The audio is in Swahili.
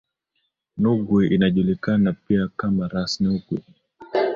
Nungwi inajulikana pia kama Ras Nungwi